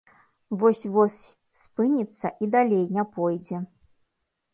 Вось-вось спыніцца і далей не пойдзе.